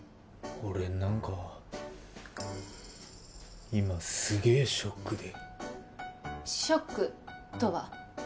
俺何か今すげえショックでショックとは？